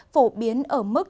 phổ biến trong ngày